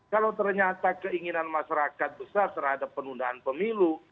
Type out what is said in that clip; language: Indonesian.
kalau ternyata keinginan masyarakat besar terhadap penundaan pemilu